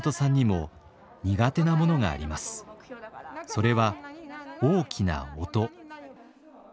それは大きな音。